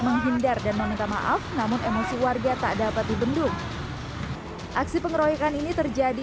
menghindar dan meminta maaf namun emosi warga tak dapat dibendung aksi pengeroyokan ini terjadi